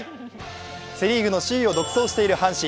セ・リーグの首位を独走している阪神。